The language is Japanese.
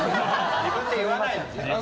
自分で言わないの。